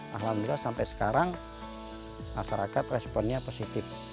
alhamdulillah sampai sekarang masyarakat responnya positif